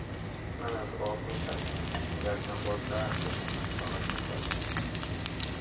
من از آب میترسم میترسم باز غرق بشم فقط میترسم